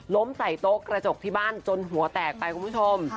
ใส่โต๊ะกระจกที่บ้านจนหัวแตกไปคุณผู้ชม